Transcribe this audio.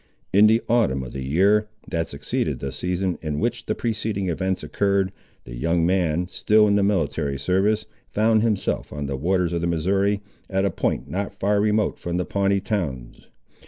In the autumn of the year, that succeeded the season, in which the preceding events occurred, the young man, still in the military service, found himself on the waters of the Missouri, at a point not far remote from the Pawnee towns.